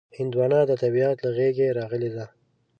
هندوانه د طبیعت له غېږې راغلې ده.